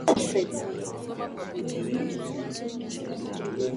niingie kwenye maandamano na mitembee mpaka kilomita kumi